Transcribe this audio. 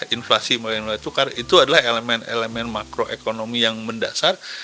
inflasi melalui nilai tukar itu adalah elemen elemen makroekonomi yang mendasar